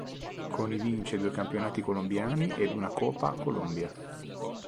Con i vince due campionati colombiani ed una Copa Colombia.